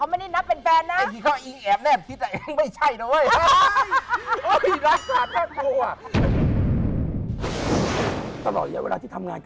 หนูต้องไปไปถือด้วย